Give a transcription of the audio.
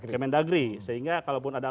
kementdagri sehingga kalau pun ada